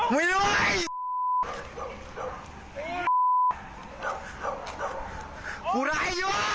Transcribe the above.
ไม่รู้ไง